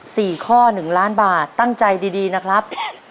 สี่ข้อหนึ่งล้านบาทตั้งใจดีดีนะครับ